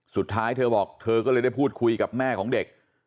สุดท้ายเธอบอกเธอก็เลยได้พูดคุยกับแม่ของเด็ก